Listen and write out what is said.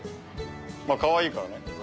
まあかわいいからね。